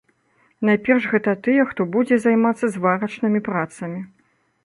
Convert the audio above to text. Найперш гэта тыя, хто будзе займацца зварачнымі працамі.